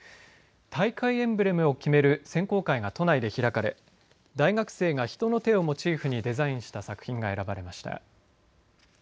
大会エンブレムを決める選考会が都内で開かれ大学生が人の手をモチーフにデザインした作品が選ばれました。